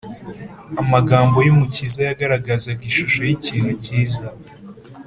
amagambo y’umukiza yagaragazaga ishusho y’ikintu cyiza,